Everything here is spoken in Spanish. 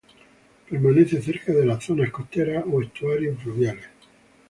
Permanece cerca de las zonas costeras o estuarios fluviales.